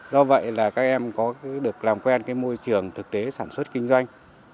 do vậy là các em có được làm quen môi trường thực tế sản xuất kinh doanh